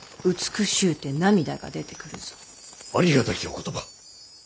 ありがたきお言葉。